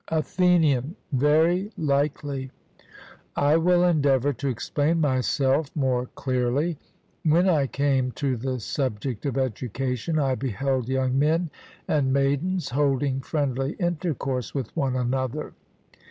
ATHENIAN: Very likely; I will endeavour to explain myself more clearly. When I came to the subject of education, I beheld young men and maidens holding friendly intercourse with one another.